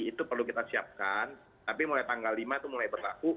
itu perlu kita siapkan tapi mulai tanggal lima itu mulai berlaku